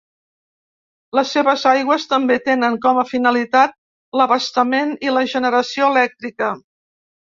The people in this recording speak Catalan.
Les seves aigües també tenen com a finalitat l'abastament i la generació elèctrica.